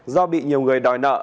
do bị nhiều người đòi nợ